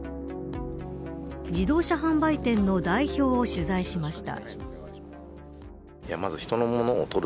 自動車販売店の代表を取材しました。